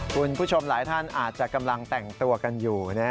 คุณผู้ชมหลายท่านอาจจะกำลังแต่งตัวกันอยู่